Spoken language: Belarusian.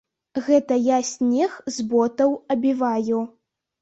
Гэта я снег з ботаў абіваю.